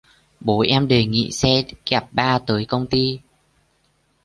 bố em đề nghị xe kẹp ba tới công ty